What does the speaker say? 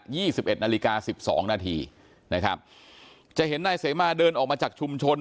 ี่สิบเอ็ดนาฬิกาสิบสองนาทีนะครับจะเห็นนายเสมาเดินออกมาจากชุมชน